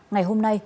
ngày hôm nay